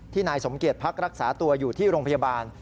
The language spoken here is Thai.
นายสมเกียจพักรักษาตัวอยู่ที่โรงพยาบาล